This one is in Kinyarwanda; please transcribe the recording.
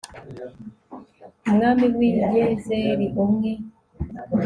umwami w'i gezeri, umwe